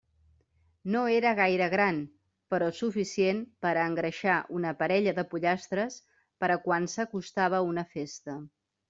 No era gaire gran, però suficient per a engreixar una parella de pollastres per a quan s'acostava una festa.